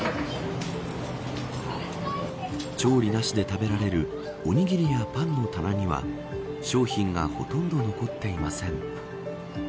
調理なしで食べられるおにぎりやパンの棚には商品がほとんど残っていません。